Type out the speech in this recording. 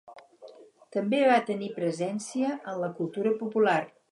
També va tenir presència en la cultura popular.